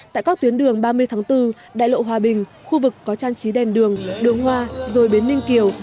tại các tuyến đường ba mươi tháng bốn đại lộ hòa bình khu vực có trang trí đèn đường đường hoa rồi bến ninh kiều